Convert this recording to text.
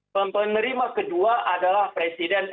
pempenerima kedua adalah presiden israel